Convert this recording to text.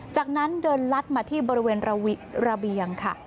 จากนั้นเดินลัดมาที่บริเวณระเบียงค่ะ